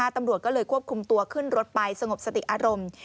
ตำรวจก็เลยควบคุมตัวขึ้นรถไปสงบสติอารมณ์